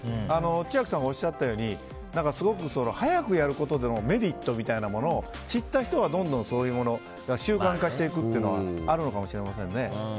千秋さんがおっしゃったようにすごく早くやることでのメリットみたいなものを知った人はどんどんそういうのが習慣化していくっていうのはあるのかもしれないですね。